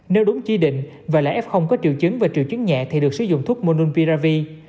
nếu đúng chi định và là f có triệu chứng và triệu chứng nhẹ thì được sử dụng thuốc monun piravi